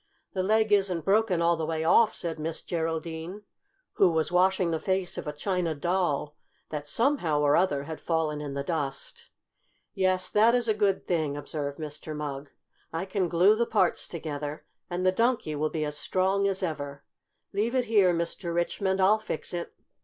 "The leg isn't broken all the way off," said Miss Geraldine, who was washing the face of a China Doll, that, somehow or other, had fallen in the dust. "Yes, that is a good thing," observed Mr. Mugg. "I can glue the parts together and the Donkey will be as strong as ever. Leave it here, Mr. Richmond. I'll fix it."